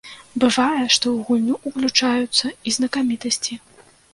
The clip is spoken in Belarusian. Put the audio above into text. Бывае, што ў гульню ўключаюцца і знакамітасці.